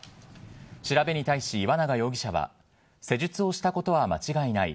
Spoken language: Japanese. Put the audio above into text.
調べに対し、岩永容疑者は施術をしたことは間違いない、